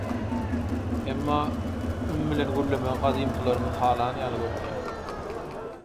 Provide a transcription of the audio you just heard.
Emma üm bilen gürlemegi gadymkylarymyz halan ýaly görünýär.